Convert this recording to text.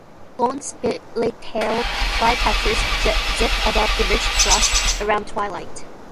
Long, split tailed flycatchers zip above the rich grass around twilight.